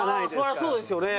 そりゃそうですよね。